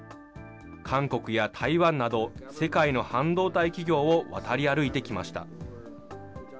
韓国や台湾など、世界の半導体企業を渡り歩いてきました。